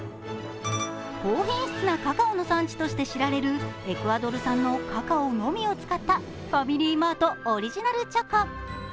高品質なカカオの産地として知られるエクアドル産のカカオのみを使ったファミリーマートオリジナルチョコ。